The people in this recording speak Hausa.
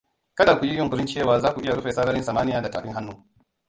Kada ku yi yunƙurin cewa za ku iya rufe sararin samaniya da tafin hannu.